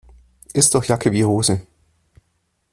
Ist doch Jacke wie Hose.